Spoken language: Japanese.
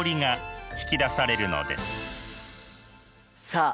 さあ